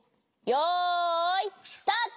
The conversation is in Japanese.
よいスタート！